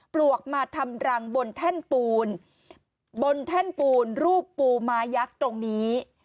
ปลวกมาทำรังบนแท่นปูนบนแท่นปูนรูปปูม้ายักษ์ตรงนี้